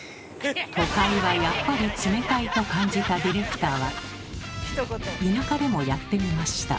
都会はやっぱり冷たいと感じたディレクターは田舎でもやってみました。